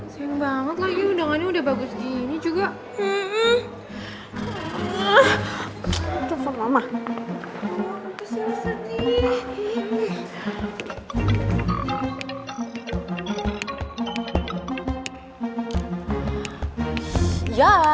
sayang banget lagi undangannya udah bagus gini juga